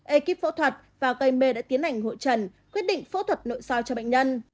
ê kíp phẫu thuật và gây mê đã tiến hành hội trần quyết định phẫu thuật nội so cho bệnh nhân